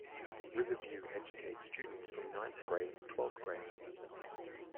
Riverview educates students from ninth grade to twelfth grade.